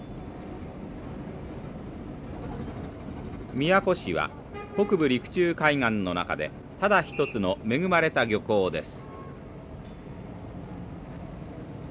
宮古市は北部陸中海岸の中でただ一つの恵まれた漁港です。